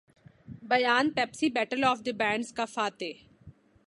بیان Pepsi battle of the bands کا فاتح